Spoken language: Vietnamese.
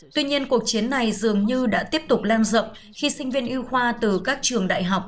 tuy nhiên cuộc chiến này dường như đã tiếp tục lan rộng khi sinh viên ưu khoa từ các trường đại học